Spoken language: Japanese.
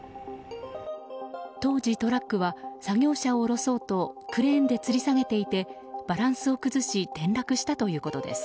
当時トラックは作業車を降ろそうとクレーンでつり下げていてバランスを崩し転落したということです。